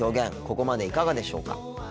ここまでいかがでしょうか。